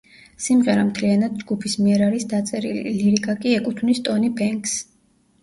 სიმღერა მთლიანად ჯგუფის მიერ არის დაწერილი, ლირიკა კი ეკუთვნის ტონი ბენქსს.